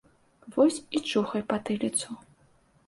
Вось і чухай патыліцу.